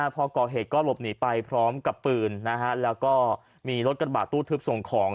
พอก่อเหตุก็หลบหนีไปพร้อมกับปืนแล้วก็มีรถกระบาดตู้ทึบส่งของ